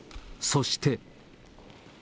そして。